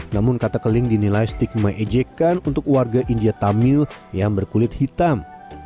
namun kata keling dinilai stigma ejekan untuk warga india tamil yang berkulit hitam